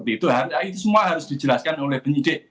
itu semua harus dijelaskan oleh penyidik